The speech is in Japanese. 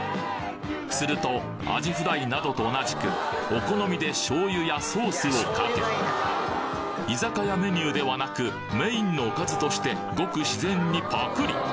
するとアジフライなどと同じくお好みで醤油やソースをかけ居酒屋メニューではなくメインのおかずとしてごく自然にパクリ！